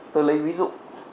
tôi lấy ví dụ